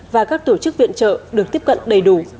và các tổ chức viện trợ được tiếp cận đầy đủ